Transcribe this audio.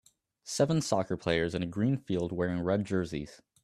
Seven soccer players in a green field wearing red jerseys